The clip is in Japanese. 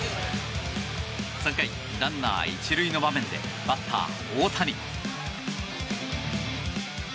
３回、ランナー１塁の場面でバッター大谷。